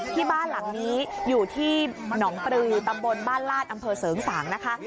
ที่บ้านหลังนี้อยู่ที่หนองปลือตำบลบ้านลาดอำเภอเสริงสางนะคะ